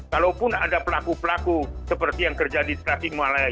kalaupun ada pelaku pelaku seperti yang terjadi di klasik malaya itu